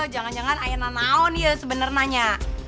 jangan jangan ayah naon ya sebenernya